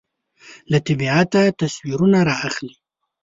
له طبیعته تصویرونه رااخلي